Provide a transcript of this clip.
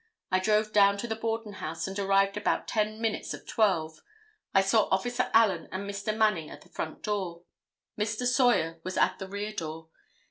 I drove down to the Borden house and arrived about ten minutes of 12. I saw officer Allen and Mr. Manning at the front door. Mr. Sawyer was at the rear door.